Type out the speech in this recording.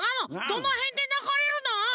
どのへんでながれるの？